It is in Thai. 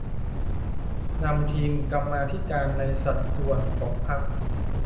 นำทีมกรรมาธิการในสัดส่วนของพรรค